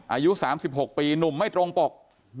อายุ๓๖ปีหนุ่มไม่ตรงปก